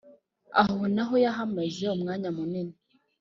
aho naho yahamaze umwanya munini